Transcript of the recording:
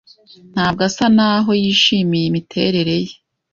Ntabwo asa naho yishimiye imiterere ye.